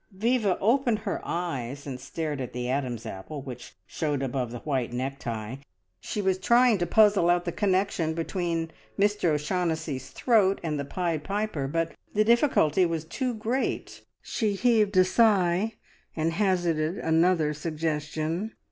Viva opened her eyes and stared at the Adam's apple which showed above the white necktie. She was trying to puzzle out the connection between Mr O'Shaughnessy's throat and the Pied Piper, but the difficulty was too great. She heaved a sigh, and hazarded another suggestion.